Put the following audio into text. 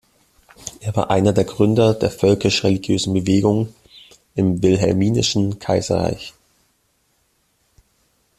Er war einer der Gründer der völkisch-religiösen Bewegung im wilhelminischen Kaiserreich.